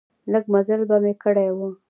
لږ مزل به مې کړی و.